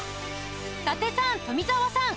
伊達さん富澤さん